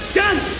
toh buat apa kapan